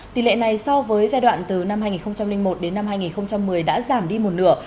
tỷ lệ này so với giai đoạn từ năm hai nghìn một đến năm hai nghìn một mươi đã giảm đi một nửa